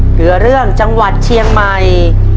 เหลือเรื่องจังหวัดเชียงใหม่